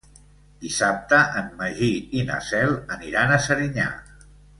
Dissabte en Magí i na Cel aniran a Serinyà.